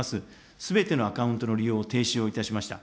すべてのアカウントの利用を停止をいたしました。